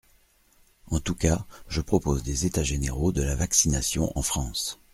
En tout cas, je propose des états généraux de la vaccination en France.